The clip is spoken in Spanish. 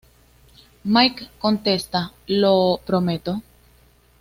Mickey contesta: ""Lo...prometo"".